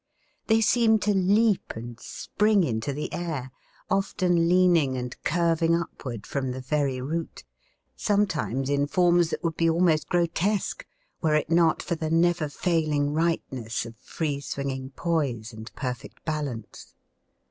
They seem to leap and spring into the air, often leaning and curving upward from the very root, sometimes in forms that would be almost grotesque were it not for the never failing rightness of free swinging poise and perfect balance.